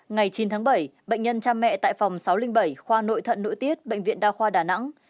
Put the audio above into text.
ngày chín tháng bảy bệnh nhân cha mẹ tại phòng sáu trăm linh bảy khoa nội thận nội tiết bệnh viện đa khoa đà nẵng